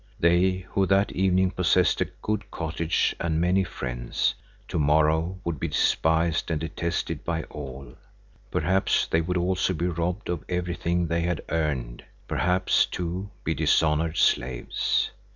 They, who that evening possessed a good cottage and many friends, to morrow would be despised and detested by all, perhaps they would also be robbed of everything they had earned, perhaps, too, be dishonored slaves.